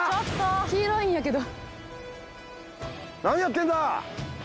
黄色いんやけど何やってんだ？